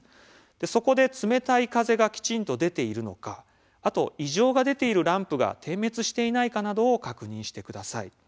そこで冷たい風がきちんと出ているか異常が出ているランプが点滅していないかなどを確認してください。